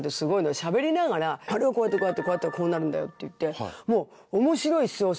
しゃべりながら「あれをこうやってこうやってこうやったらこうなるんだよ」って言ってもう面白い小説